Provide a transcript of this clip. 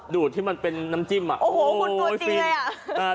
ดูที่มันเป็นน้ำจิ้มอะโอ้โหคุณตัวจริงเลยอะ